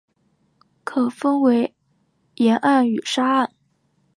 可分为岩岸与沙岸。